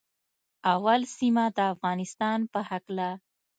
اول سیمه د افغانستان په هکله